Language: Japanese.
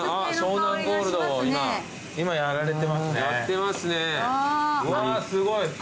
うわすごい！